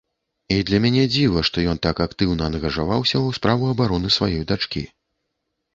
І для мяне дзіва, што ён так актыўна ангажаваўся ў справу абароны сваёй дачкі.